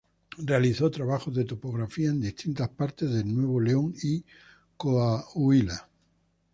Realizó trabajos de topografía en distintas partes de Nuevo León y Coahuila.